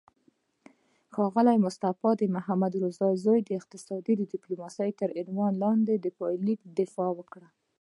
ښاغلی مصطفی د محمدضیا زوی د اقتصادي ډیپلوماسي تر عنوان لاندې پایلیک دفاع وکړه